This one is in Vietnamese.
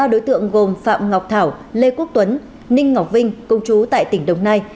ba đối tượng gồm phạm ngọc thảo lê quốc tuấn ninh ngọc vinh công chú tại tỉnh đồng nai